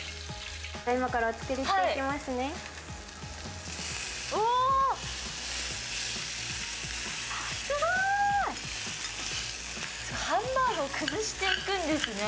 今からお作りしていきますね。